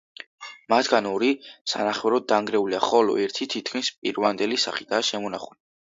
მათგან ორი სანახევროდ დანგრეულია, ხოლო ერთი თითქმის პირვანდელი სახითაა შემონახული.